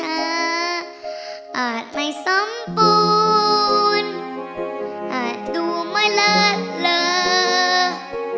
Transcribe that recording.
อาจไม่สมบูรณ์อาจดูไม่เลิศเลย